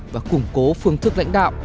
và củng cố phương thức lãnh đạo